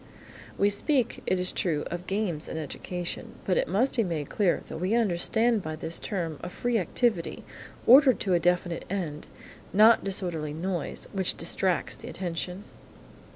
We speak, it is true, of games in education, but it must be made clear that we understand by this term a free activity, ordered to a definite end; not disorderly noise, which distracts the attention.